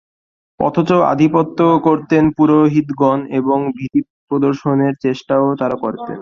অথচ আধিপত্য করতেন পুরোহিতগণ এবং ভীতিপ্রদর্শনের চেষ্টাও তাঁরা করতেন।